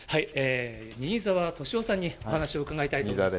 新沢敏夫さんにお話を伺いたいと思います。